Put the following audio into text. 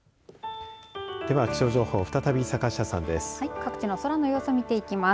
では気象情報再び坂下さんです。